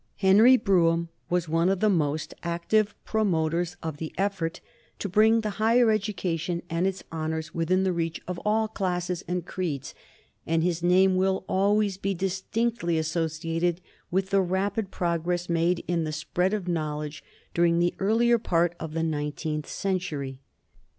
Henry Brougham was one of the most active promoters of the effort to bring the higher education and its honors within the reach of all classes and creeds, and his name will always be distinctly associated with the rapid progress made in the spread of knowledge during the earlier part of the nineteenth century.